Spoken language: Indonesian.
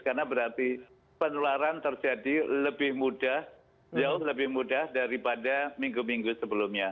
karena berarti penularan terjadi lebih mudah jauh lebih mudah daripada minggu minggu sebelumnya